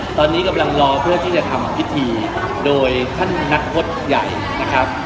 ตอนนี้กำลังรอเพื่อที่จะทำพิธีโดยท่านนักงดด้านหน้าขององค์สมเด็จพระนุษย์ตลาดกำลังมา